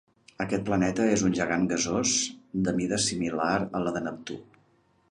Aquest planeta és un gegant gasós, de mida similar a la de Neptú.